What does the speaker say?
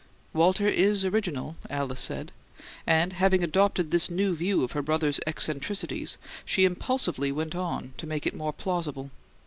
"Walter IS original," Alice said; and, having adopted this new view of her brother's eccentricities, she impulsively went on to make it more plausible.